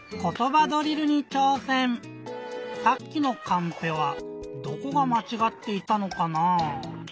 さっきのカンペはどこがまちがっていたのかな？